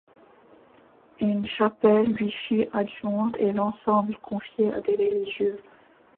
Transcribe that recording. Une chapelle lui fut adjointe et l’ensemble confié à des religieux.